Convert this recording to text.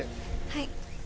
はい。